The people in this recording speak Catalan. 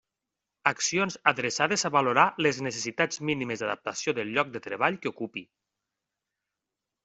Accions adreçades a valorar les necessitats mínimes d'adaptació del lloc de treball que ocupi.